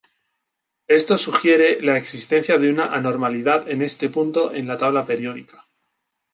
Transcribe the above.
Esto sugiere la existencia de una anormalidad en este punto en la tabla periódica.